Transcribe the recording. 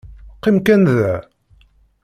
Qim kan da!